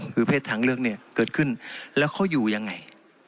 คือเพศทางเลือกเนี่ยเกิดขึ้นแล้วเขาอยู่ยังไง